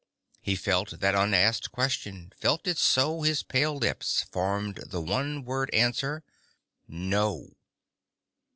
He felt that unasked question felt it so His pale lips formed the one word answer, "No!"